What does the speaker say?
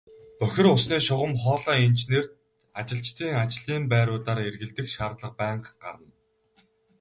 Бохир усны шугам хоолойн инженерт ажилчдын ажлын байруудаар эргэлдэх шаардлага байнга гарна.